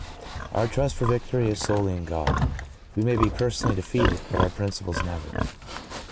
(¶ 42) Our trust for victory is solely in God. We may be personally defeated, but our principles never.